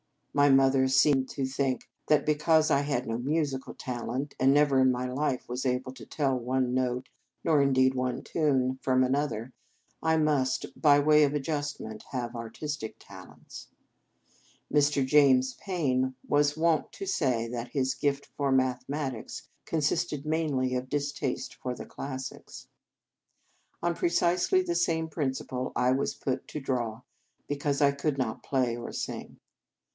My mother seemed to think that because I had no musical talent, and never in my life was able to tell one note nor indeed one tune from another, I must, by way of ad justment, have artistic qualities. Mr. James Payn was wont to say that his gift for mathematics consisted mainly of distaste for the classics. On pre cisely the same principle, I was put to draw because I could not play or sing.